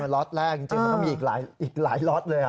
ล็อตแรกจริงมันก็มีอีกหลายล็อตเลย